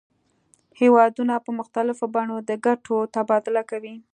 هیوادونه په مختلفو بڼو د ګټو تبادله کوي